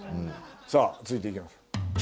さあ続いていきましょう。